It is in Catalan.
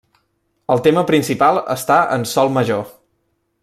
El tema principal està en sol major.